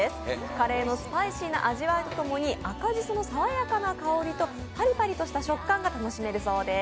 カレーのスパイシーな味わいとともに、赤じその爽やかな香りとパリパリとした食感が楽しめるそうです。